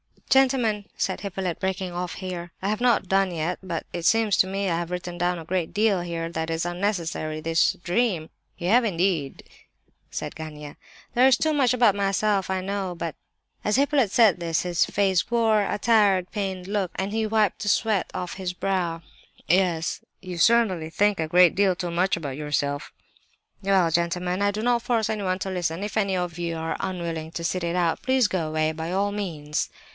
"Gentlemen!" said Hippolyte, breaking off here, "I have not done yet, but it seems to me that I have written down a great deal here that is unnecessary,—this dream—" "You have indeed!" said Gania. "There is too much about myself, I know, but—" As Hippolyte said this his face wore a tired, pained look, and he wiped the sweat off his brow. "Yes," said Lebedeff, "you certainly think a great deal too much about yourself." "Well—gentlemen—I do not force anyone to listen! If any of you are unwilling to sit it out, please go away, by all means!"